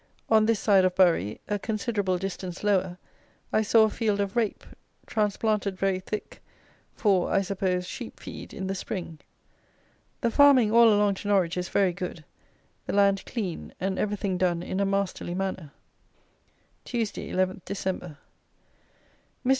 On this side of Bury, a considerable distance lower, I saw a field of Rape, transplanted very thick, for, I suppose, sheep feed in the spring. The farming all along to Norwich is very good. The land clean, and everything done in a masterly manner. Tuesday, 11 Dec. Mr.